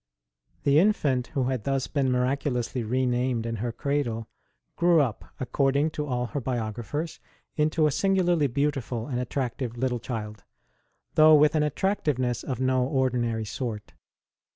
1HE infant who had thus been miraculously re named in her cradle grew up, according to all her biographers, into a singularly beautiful and attractive little child, though with an attractiveness of no ordinary sort.